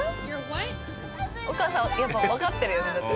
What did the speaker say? お母さんはやっぱわかってるよねだって。